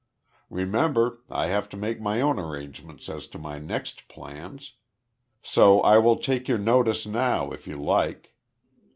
Remember, I have to make my own arrangements as to my next plans. So I will take your notice now if you like."